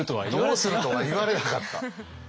「どうする」とは言われなかった。